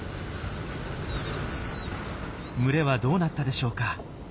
群れはどうなったでしょうか？